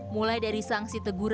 mulai dari sanksi teguran